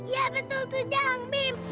ya betul tuh jeng bim